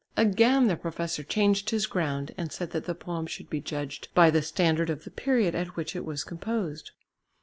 Again the professor changed his ground, and said that the poem should be judged by the standard of the period at which it was composed.